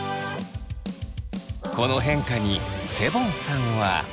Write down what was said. この変化にセボンさんは。